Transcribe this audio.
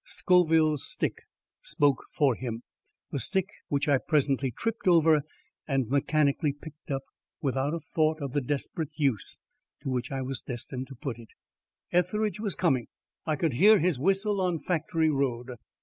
Scoville's stick spoke for him, the stick which I presently tripped over and mechanically picked up, without a thought of the desperate use to which I was destined to put it. Etheridge was coming. I could hear his whistle on Factory Road.